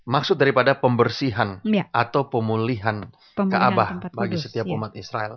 maksud daripada pembersihan atau pemulihan kaabah bagi setiap umat israel